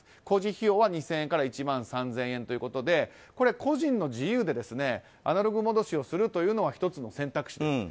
工事費用は２０００円から１万３０００円ということで個人の自由でアナログ戻しをするというのは１つの選択肢です。